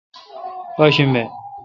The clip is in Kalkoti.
پاشنبہ